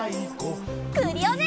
クリオネ！